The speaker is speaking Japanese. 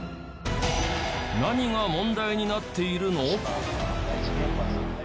何が問題になっているの？